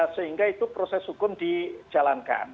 sehingga itu proses hukum dijalankan